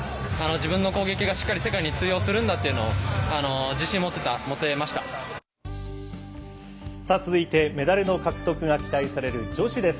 自分の攻撃がしっかり世界に通用するんだということを続いてメダルの獲得が期待される女子です。